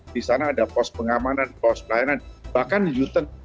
di sana ada pos pengamanan pos pelayanan bahkan uten